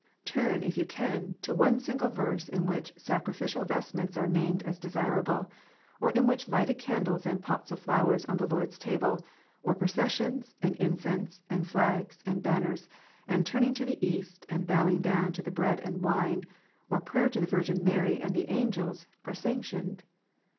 Turn, if you can, to one single verse in which sacrificial vestments are named as desirable, or in which lighted candles and pots of flowers on the Lord s Table, or processions, and incense, and flags, and banners, and turning to the east, and bowing down to the bread and wine, or prayer to the Virgin Mary and the angels, arl sanctioned.